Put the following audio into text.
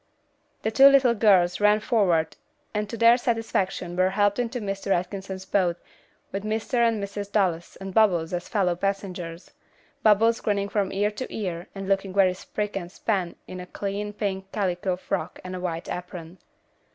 The two little girls ran forward and to their satisfaction were helped into Mr. Atkinson's boat with Mr. and Mrs. Dallas and Bubbles as fellow passengers, Bubbles grinning from ear to ear and looking very spick and span in a clean pink calico frock and a white apron.